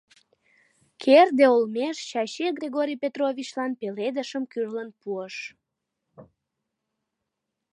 Керде олмеш Чачи Григорий Петровичлан пеледышым кӱрлын пуыш.